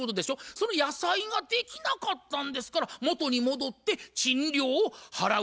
その野菜ができなかったんですから元に戻って賃料を払う。